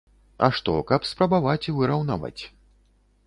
А што, каб спрабаваць выраўнаваць.